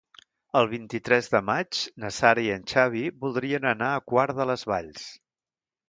El vint-i-tres de maig na Sara i en Xavi voldrien anar a Quart de les Valls.